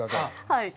はい。